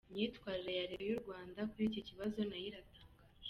Imyitwarire ya Leta y’u Rwanda kuri iki kibazo nayo iratangaje.